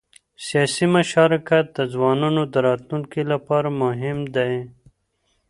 سیاسي مشارکت د ځوانانو د راتلونکي لپاره مهم دی